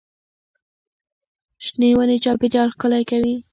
شنې ونې چاپېریال ښکلی کوي.